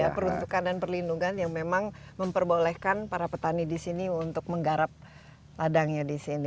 peruntukan dan perlindungan yang memang memperbolehkan para petani di sini untuk menggarap ladangnya di sini